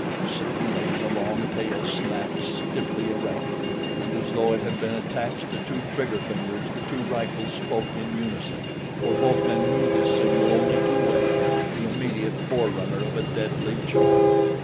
Suddenly the long tail snapped stiffly erect, and as though it had been attached to two trigger fingers the two rifles spoke in unison, for both men knew this signal only too well the immediate forerunner of a deadly charge.